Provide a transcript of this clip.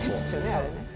あれね